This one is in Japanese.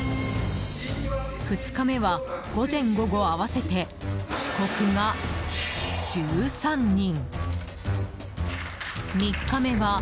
２日目は午前午後合わせて遅刻が１３人。